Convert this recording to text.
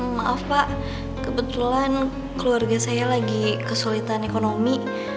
maaf pak kebetulan keluarga saya lagi kesulitan ekonomi